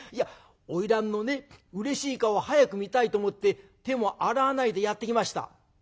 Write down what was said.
いや花魁のねうれしい顔を早く見たいと思って手も洗わないでやって来ました」。